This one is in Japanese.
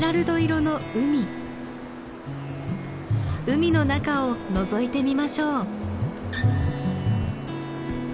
海の中をのぞいてみましょう。